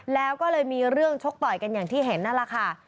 แล้วก็เลยมีเรื่องชกต่อยกันอย่างที่เห็นนั่นแหละค่ะ